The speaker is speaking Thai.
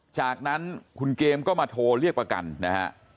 จากนั้นคุณเกมก็มาโทรเรียกประกันนะฮะ